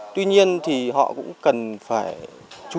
tuy nhiên thì họ cũng cần phải chú ý